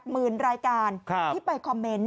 มี๑๘๐ที่ไปคอมเมนต์